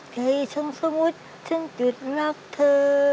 ใครทั้งสมุทรทั้งจุดรักเธอ